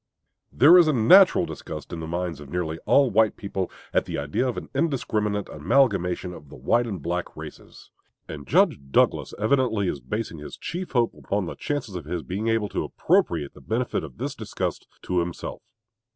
There is a natural disgust in the minds of nearly all white people at the idea of an indiscriminate amalgamation of the white and black races; and Judge Douglas evidently is basing his chief hope upon the chances of his being able to appropriate the benefit of this disgust to himself.